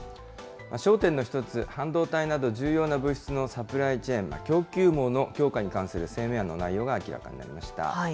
焦点の一つ、半導体など重要な物質のサプライチェーン・供給網の強化に関する声明案の内容が明らかになりました。